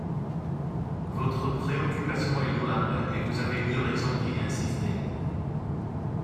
Votre préoccupation est louable, et vous avez eu raison d’y insister.